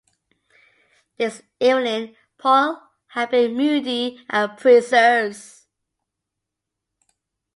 This evening Paul had been moody and perverse.